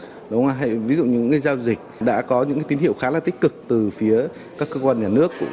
ví dụ như là những cái giao dịch đã có những cái tín hiệu khá là tích cực từ phía các cơ quan nhà nước